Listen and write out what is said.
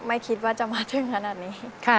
ไม่คิดว่าจะมาถึงขนาดนี้